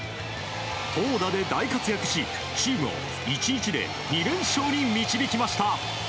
投打で大活躍し、チームを１日で２連勝に導きました。